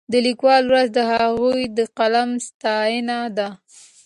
د لیکوالو ورځ د هغوی د قلم ستاینه ده.